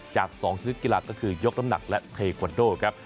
จาก๒ชนิดกีฬาก็คือยกน้ำหนักและเทควันโดครับ